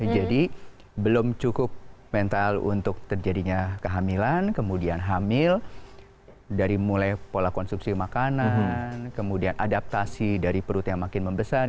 jadi belum cukup mental untuk terjadinya kehamilan kemudian hamil dari mulai pola konsumsi makanan kemudian adaptasi dari perut yang makin membesar